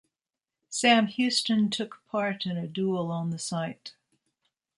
Sam Houston took part in a duel on the site.